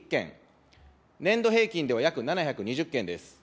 年度平均では約７２０件です。